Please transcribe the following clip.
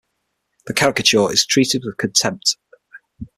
The caricature is treated with contempt.